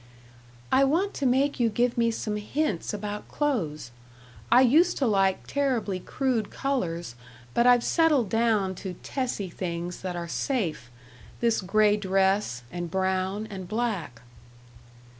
"I want to make you give me some hints about clothes. I used to like terribly crude colors, but I've settled down to tessie things that are safe this gray dress, and brown, and black."